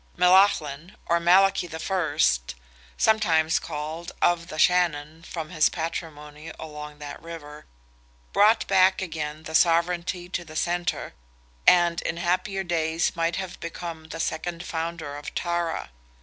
Melaghlin, or Malachy I. (sometimes called "of the Shannon," from his patrimony along that river), brought back again the sovereignty to the centre, and in happier days might have become the second founder of Tara.